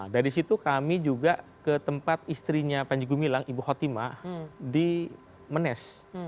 dari situ kami juga ke tempat istrinya panjago milang ibu hotima di menes